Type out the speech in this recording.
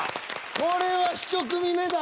これは１組目だ。